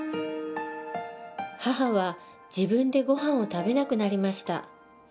母は自分でごはんを食べなくなりました。